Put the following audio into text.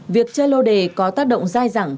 việc chơi lô đề có tác động dài dẳng